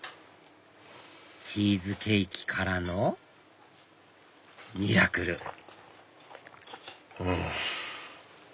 チーズケーキからの蜜絡来うん！